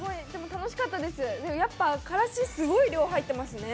楽しかったです、でも、やっぱからし、すごい量入ってますね。